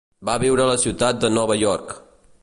Va viure a la ciutat de Nova York.